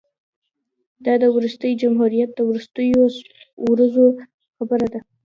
دا د وروستي جمهوریت د وروستیو ورځو خبره ده.